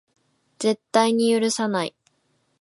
絶対に許さない